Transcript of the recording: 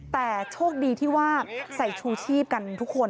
แต่โชคดีที่ว่าใส่ชูชีพกันทุกคน